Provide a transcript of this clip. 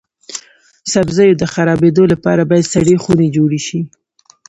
سبزیو د خرابیدو لپاره باید سړې خونې جوړې شي.